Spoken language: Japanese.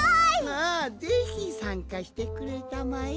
ああぜひさんかしてくれたまえ。